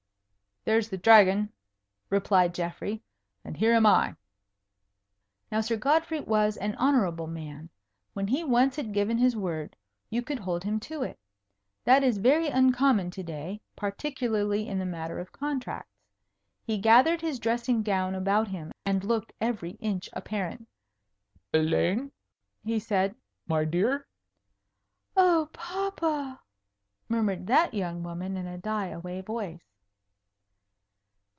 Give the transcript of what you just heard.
"There's the Dragon," replied Geoffrey, "and here am I." Now Sir Godfrey was an honourable man. When he once had given his word, you could hold him to it. That is very uncommon to day, particularly in the matter of contracts. He gathered his dressing gown about him, and looked every inch a parent. "Elaine," he said, "my dear?" "Oh, papa!" murmured that young woman in a die away voice.